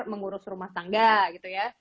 mengurus rumah tangga gitu ya